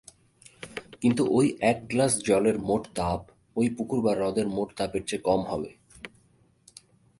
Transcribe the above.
কিন্তু ওই এক গ্লাস জলের মোট তাপ ওই পুকুর বা হ্রদের মোট তাপের চেয়ে কম হবে।